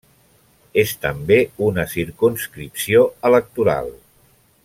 És també una circumscripció electoral.